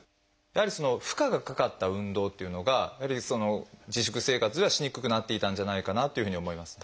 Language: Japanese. やはり負荷がかかった運動っていうのが自粛生活ではしにくくなっていたんじゃないかなっていうふうに思います。